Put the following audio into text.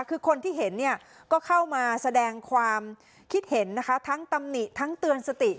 คือคนที่เห็นเนี่ยก็เข้ามาแสดงความคิดเห็นนะคะทั้งตำหนิทั้งเตือนสติ